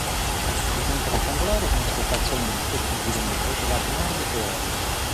Di pianta rettangolare, mostra parzialmente, chiusi da un muro, i lati nord e ovest.